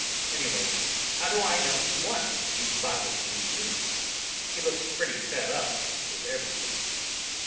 Anyway, how do I know he wants to be bothered with me? He looked pretty fed up with everything.